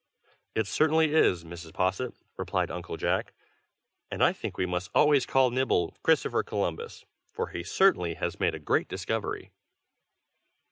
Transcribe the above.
"It certainly is, Mrs. Posset!" replied Uncle Jack. "And I think we must always call Nibble Christopher Columbus, for he certainly has made a great discovery!"